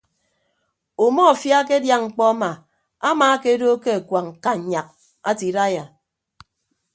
Umọfia akedia mkpọ ama amaakedo ke akuañ kannyak ate idaiya.